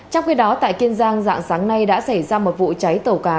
trong khi đó tại kiên giang dạng sáng nay đã xảy ra một vụ cháy tàu cá